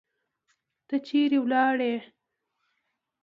ته چیرې لاړې؟